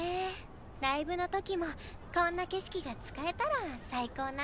ライブの時もこんな景色が使えたら最高なんやけど。